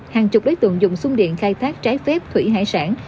hàng chục đối tượng dùng sung điện khai thác trái phép thủy hải sản